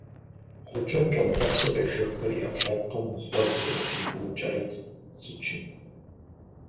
Гъукӏэм пщӏантӏэпсыр къежэхрэ и ӏэпкълъэпкъым гъуэзыр къыпихыу кӏэрытт сыджым.